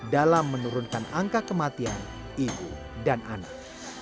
dalam menurunkan angka kematian ibu dan anak